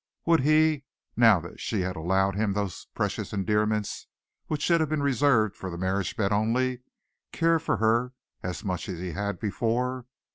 Would he, now that she had allowed him those precious endearments which should have been reserved for the marriage bed only, care for her as much as he had before?